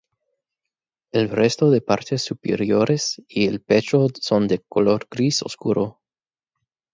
El resto de partes superiores y el pecho son de color gris oscuro.